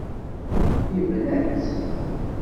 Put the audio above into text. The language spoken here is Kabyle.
Yebna-tt.